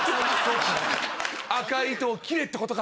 赤い糸を切れってことか。